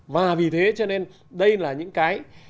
và vì thế cho nên đây là những cái